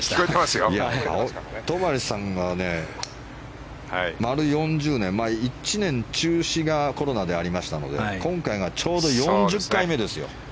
戸張さんが丸４０年１年、中止がコロナでありましたので今回がちょうど４０回目ですよ。